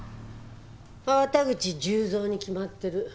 粟田口十三に決まってる。